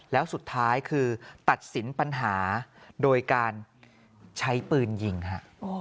แล้วสุดท้ายคือตัดสินปัญหาโดยการใช้ปืนยิงฮะ